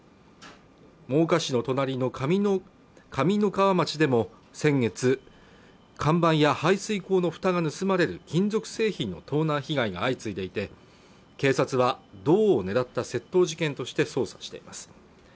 真岡市の隣の上三川町でも先月看板や排水口のふたが盗まれる金属製品の盗難被害が相次いでいて警察は銅を狙った窃盗事件として捜査しています